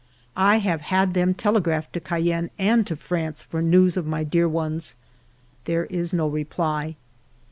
I have had them telegraph to Cayenne and to France for news of my dear ones. There is no reply.